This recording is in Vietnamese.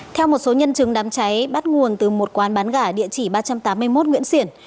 theo một số nhân chứng đám cháy bắt nguồn từ một quán bán gà địa chỉ ba trăm tám mươi một nguyễn xiển